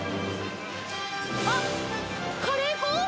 あっカレー粉？